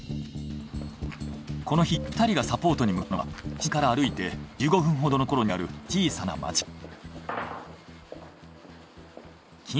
この日２人がサポートに向かったのは支店から歩いて１５分ほどのところにある小さな町工場。